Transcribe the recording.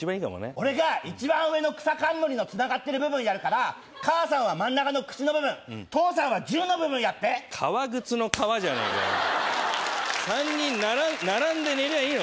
俺が一番上のくさかんむりのつながってる部分やるから母さんは真ん中の「口」の部分父さんは「十」の部分やって革靴の「革」じゃねえか３人並んで寝りゃいいよ